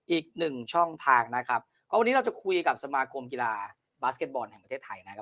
อีกหนึ่งช่องทางนะครับก็วันนี้เราจะคุยกับสมาคมกีฬาบาสเก็ตบอลแห่งประเทศไทยนะครับ